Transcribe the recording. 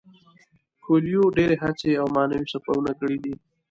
کویلیو ډیرې هڅې او معنوي سفرونه کړي دي.